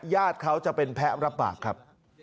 ญาติเขาจะเป็นแพ้รับบาปครับ